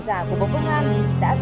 đã dựng phát hành